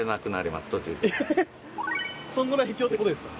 そのぐらい秘境って事ですか？